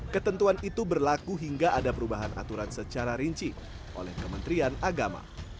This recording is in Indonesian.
ketentuan itu berlaku hingga ada perubahan aturan secara rinci oleh kementerian agama